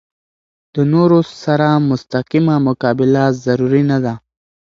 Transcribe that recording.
د نورو سره مستقیمه مقابله ضروري نه ده.